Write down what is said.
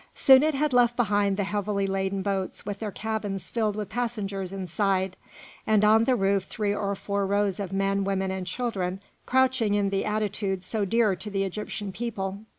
Soon it had left behind the heavily laden boats with their cabins filled with passengers inside, and on the roof three or four rows of men, women, and children crouching in the attitude so dear to the Egyptian people.